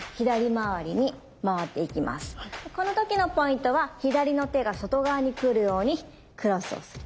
この時のポイントは左の手が外側に来るようにクロスをする。